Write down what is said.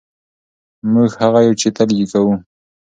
موږ هغه یو چې تل یې کوو.